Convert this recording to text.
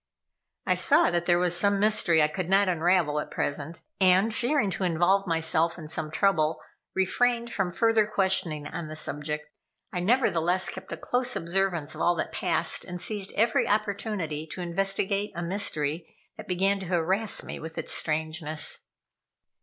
I saw that there was some mystery I could not unravel at present, and fearing to involve myself in some trouble, refrained from further questioning on the subject. I nevertheless kept a close observance of all that passed, and seized every opportunity to investigate a mystery that began to harass me with its strangeness.